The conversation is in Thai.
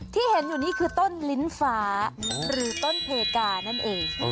ที่เห็นอยู่นี่คือต้นลิ้นฟ้าหรือต้นเพกานั่นเอง